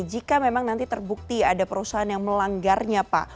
jika memang nanti terbukti ada perusahaan yang melanggarnya pak